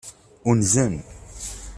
Unzen.